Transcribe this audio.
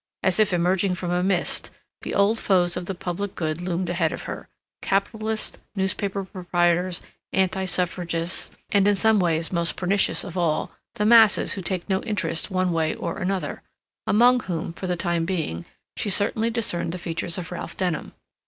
As if emerging from a mist, the old foes of the public good loomed ahead of her—capitalists, newspaper proprietors, anti suffragists, and, in some ways most pernicious of all, the masses who take no interest one way or another—among whom, for the time being, she certainly discerned the features of Ralph Denham.